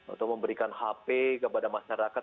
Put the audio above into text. atau memberikan hp kepada masyarakat